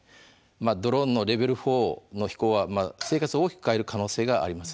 ドローンのレベル４の飛行は生活を大きく変える可能性があります。